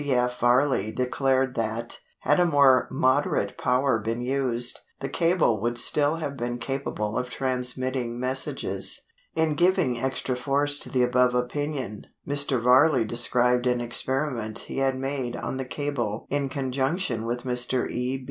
C. F. Varley declared that "had a more moderate power been used, the cable would still have been capable of transmitting messages." In giving extra force to the above opinion, Mr. Varley described an experiment he had made on the cable in conjunction with Mr. E. B.